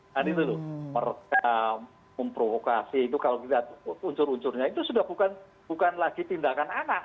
dan itu loh perga memprovokasi itu kalau kita lihat unsur unsurnya itu sudah bukan lagi tindakan anak